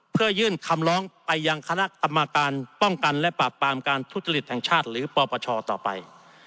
เพื่อยื่นคำร้องไปยังคณะกรรมการป้องกันและปราบปรามการทุจริตแห่งชาติหรือปปชต่อไป